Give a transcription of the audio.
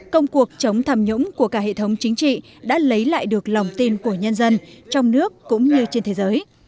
công cuộc chống tham nhũng của cả hệ thống chính trị đã lấy lại được lòng tin của nhân dân trong nước cũng như trên thế giới